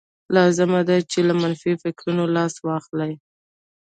لازمه ده چې له منفي فکرونو لاس واخلئ